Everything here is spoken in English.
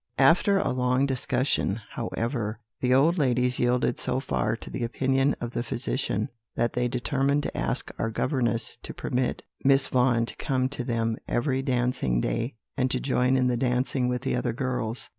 "After a long discussion, however, the old ladies yielded so far to the opinion of the physician, that they determined to ask our governess to permit Miss Vaughan to come to them every dancing day, and to join in the dancing with the other girls.